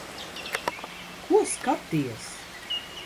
Ko skaties?